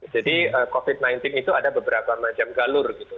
jadi covid sembilan belas itu ada beberapa macam galur gitu